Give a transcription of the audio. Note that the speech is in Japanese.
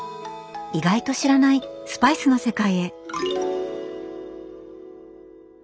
意外と知らないスパイスの世界へ。